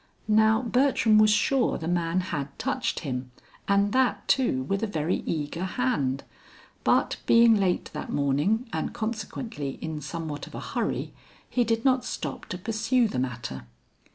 Now Bertram was sure the man had touched him and that, too, with a very eager hand, but being late that morning and consequently in somewhat of a hurry, he did not stop to pursue the matter.